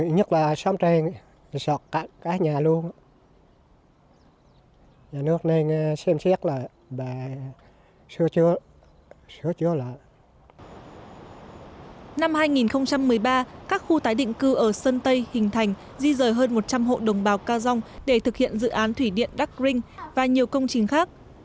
năm hai nghìn một mươi ba các khu tái định cư ở sơn tây hình thành di rời hơn một trăm linh hộ đồng bào ca giong để thực hiện dự án thủy điện dark ring và nhiều công trình khác